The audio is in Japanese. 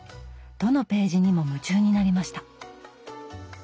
どのページにも夢中になりました。